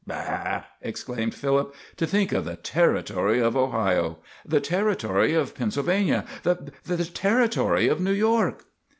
"Bah!" exclaimed Philip. "To think of the Territory of Ohio! The Territory of Pennsylvania! The Territory of New York!"